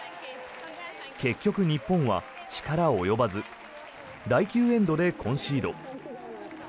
結局、日本は力及ばず第９エンドでコンシード。